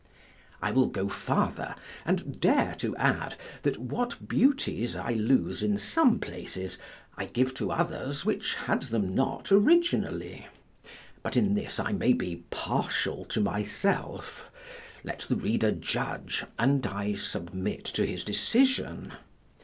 I will go farther, and dare to add, that what beauties I lose in some places, I give to others which had them not originally; but in this I may be partial to myself; let the reader judge, and I submit to his decision.